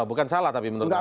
bukan salah tapi menurut anda